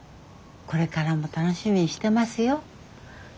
これからも楽しみにしてますよ。